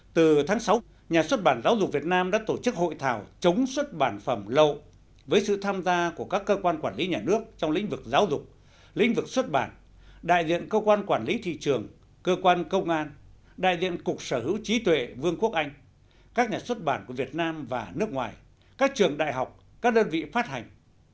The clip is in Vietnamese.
từ tháng sáu nhà xuất bản giáo dục việt nam đã tổ chức hội thảo chống xuất bản phẩm lậu với sự tham gia của các cơ quan quản lý nhà nước trong lĩnh vực giáo dục lĩnh vực xuất bản đại diện cơ quan quản lý thị trường cơ quan công an đại diện cục sở hữu trí tuệ vương quốc anh các nhà xuất bản của việt nam và nước ngoài các trường đại học các đơn vị phát hành